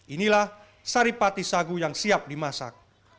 inilah saripati sagu yang siap dimasak